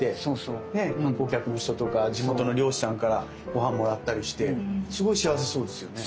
観光客の人とか地元の漁師さんからごはんもらったりしてすごい幸せそうですよね。